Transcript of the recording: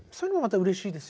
うれしいですね。